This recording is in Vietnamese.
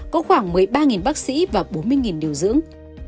có khoảng một mươi ba bác sĩ và bốn mươi điều dưỡng